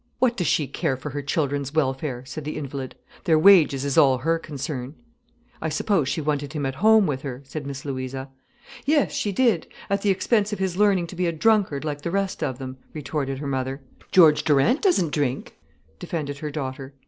"What does she care for her children's welfare?" said the invalid. "Their wages is all her concern." "I suppose she wanted him at home with her," said Miss Louisa. "Yes, she did—at the expense of his learning to be a drunkard like the rest of them," retorted her mother. "George Durant doesn't drink," defended her daughter.